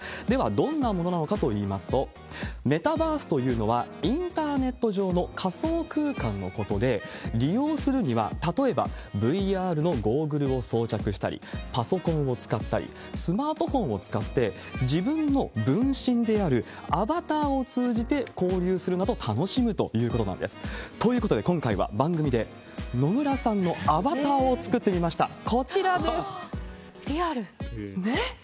では、どんなものなのかといいますと、メタバースというのは、インターネット上の仮想空間のことで、利用するには、例えばＶＲのゴーグルを装着したり、パソコンを使ったり、スマートフォンを使って、自分の分身であるアバターを通じて交流するなど、楽しむということなんです。ということで、今回は番組で野村さんのアバターを作ってみました。